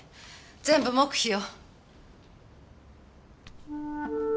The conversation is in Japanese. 全部黙秘よ。